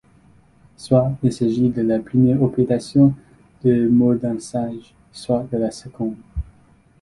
Soit, il s'agit de la première opération de mordançage, soit de la seconde.